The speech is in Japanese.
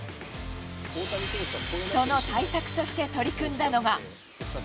その対策として取り組んだのが。